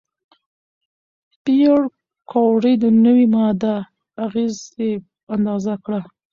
پېیر کوري د نوې ماده اغېزې اندازه کړه.